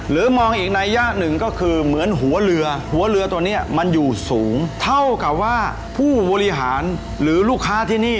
มองอีกนัยยะหนึ่งก็คือเหมือนหัวเรือหัวเรือตัวนี้มันอยู่สูงเท่ากับว่าผู้บริหารหรือลูกค้าที่นี่